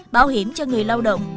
bảo hiểm cho người lao động